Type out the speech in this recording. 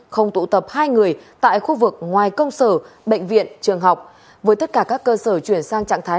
không tụ tập hai người tại khu vực ngoài công sở bệnh viện trường học với tất cả các cơ sở chuyển sang trạng thái